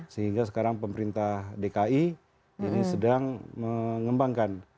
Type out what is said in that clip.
sehingga sekarang pemerintah dki ini sedang mengembangkan